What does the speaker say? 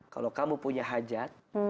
kalau kamu punya hajat